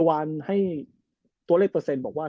วานให้ตัวเลขเปอร์เซ็นต์บอกว่า